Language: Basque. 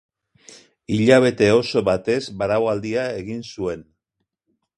Hilabete oso batez baraualdia egin zuen.